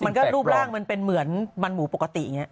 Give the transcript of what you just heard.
รูปร่างมันเป็นเหมือนมันหมูปกติอย่างนี้